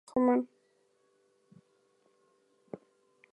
Also almsgiving as a penitential act became more common.